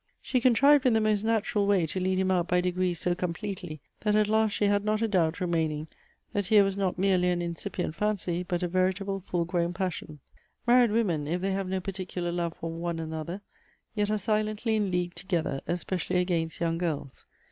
She contrived in the most natural way to lead him out by degrees so completely, that at last she had not a doubt rem.aining that here was not merely an incipient fancy, but a veritable, full grown passion. Man ied women, if they have no particular love for one another, yet arc silently in league together, especially against young girls.